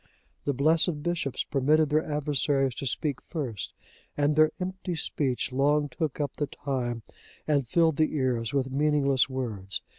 The blessed bishops permitted their adversaries to speak first, and their empty speech long took up the time and filled the ears with meaningless words.